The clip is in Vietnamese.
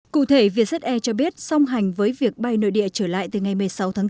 cụ thể vietjet air cho biết song hành với việc bay nội địa trở lại từ ngày một mươi sáu tháng bốn